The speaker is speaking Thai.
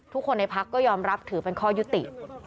ทุกคนในพักก็ยอมรับถือเป็นข้อยุติ